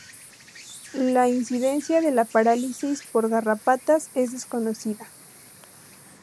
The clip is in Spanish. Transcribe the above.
La incidencia de la parálisis por garrapatas es desconocida.